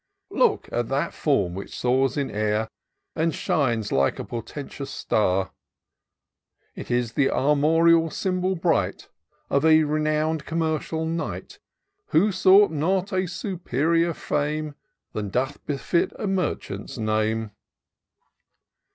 Look at that form which soars in air. And shines like a portentous star ; It is th' armorial symbol bright Of a renown'd, commercial knight, Who sought not a superior fame Than doth befit a merchant's name.